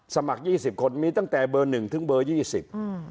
สมัครยี่สิบคนมีตั้งแต่เบอร์หนึ่งถึงเบอร์ยี่สิบอืม